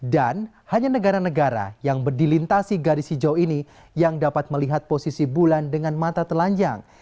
dan hanya negara negara yang berdilintasi garis hijau ini yang dapat melihat posisi bulan dengan mata telanjang